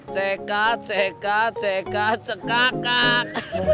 cekak cekak cekak cekakak